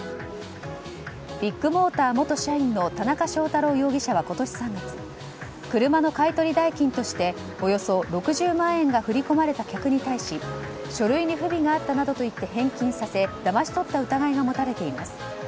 ビッグモーター元社員の田中祥太朗容疑者は今年３月車の買い取り代金としておよそ６０万円が振り込まれた客に対し書類に不備があったなどとして返金させだまし取った疑いが持たれています。